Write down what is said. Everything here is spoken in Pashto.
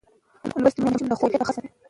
لوستې میندې د ماشومانو د خوب کیفیت ښه ساتي.